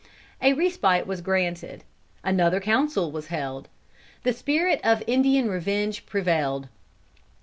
A respite was granted. Another council was held. The spirit of Indian revenge prevailed.